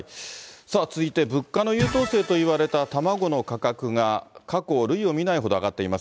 さあ続いて、物価の優等生といわれた卵の価格が、過去類を見ないほど上がっています。